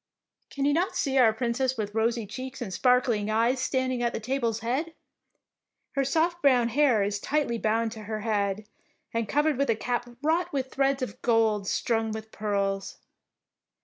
Can you not see our Princess with rosy cheeks and sparkling eyes stand ing at the table's head ? Her soft brown hair is tightly bound to her head and covered with a cap wrought of threads of gold strung with pearls.